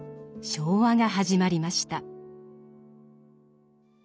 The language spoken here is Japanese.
昭和が始まりました。